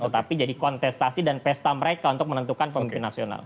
tetapi jadi kontestasi dan pesta mereka untuk menentukan pemimpin nasional